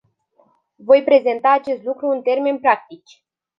Voi prezenta acest lucru în termeni practici.